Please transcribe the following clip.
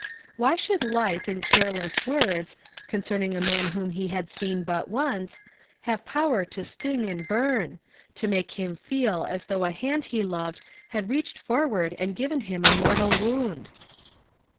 Why should light and careless words, concern ing a man whom he had seen but once, have power to sting and burn ; to make him feel as thougli a hand he loved had reached forward and given him a mortal wound